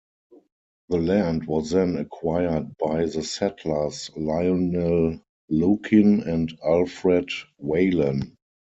The land was then acquired by the settlers Lionel Lukin and Alfred Waylen.